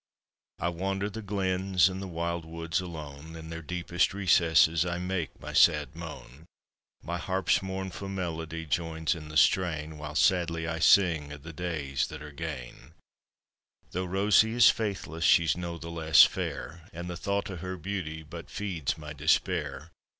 I wander the glens and the wild woods alone, In their deepest recesses I make my sad moan: My harp's mournfu' melody joins in the strain, While sadly I sing o' the days that are gane. Tho' Rosie is faithless she's no' the less fair, And the thocht o' her beauty but feeds my despair.